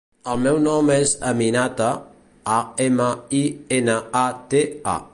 El meu nom és Aminata: a, ema, i, ena, a, te, a.